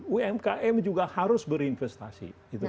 umkm juga harus berinvestasi